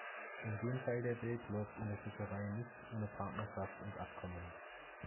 In dem Teil der Welt läuft in der Fischerei nichts ohne Partnerschaft und Abkommen.